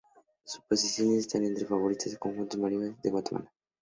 Sus composiciones están entre las favoritas de los conjuntos de marimbas de Guatemala.